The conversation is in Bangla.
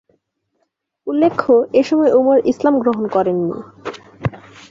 উল্লেখ্য এসময় উমর ইসলাম গ্রহণ করেননি।